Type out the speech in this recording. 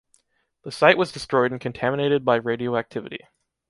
The site was destroyed and contaminated by radioactivity.